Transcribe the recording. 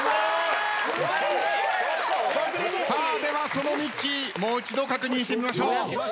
さあではそのミッキーもう一度確認してみましょう。